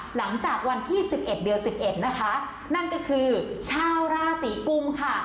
หลังจากวันที่สิบเอ็ดเดือนสิบเอ็ดนะคะนั่นก็คือชาวลาศีกุมค่ะ